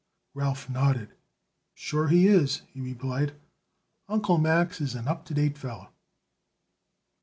Ralph nodded. "Sure he is," he replied. "Uncle Max is an up to date feller."